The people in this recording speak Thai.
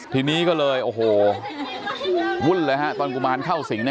ทีนี้ก็เลยโอ้โหวุ่นเลยหรือฮะ